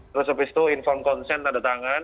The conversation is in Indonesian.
terus habis itu inform konsen tanda tangan